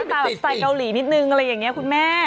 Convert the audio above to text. ตาแบบใส่เกาหลีนิดนึงอะไรอย่างนี้คุณแม่